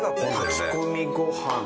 炊き込みご飯。